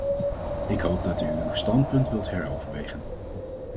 Ik hoop dat u uw standpunt wilt heroverwegen.